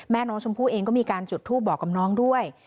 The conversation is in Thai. แม่น้องชมพู่เองก็มีการจุดทูปบอกกับน้องด้วย